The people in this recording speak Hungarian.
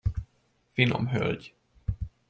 Finom hölgy.